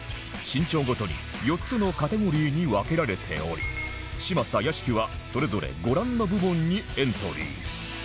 身長ごとに４つのカテゴリーに分けられており嶋佐屋敷はそれぞれご覧の部門にエントリー